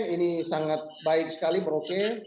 ini sangat baik sekali merauke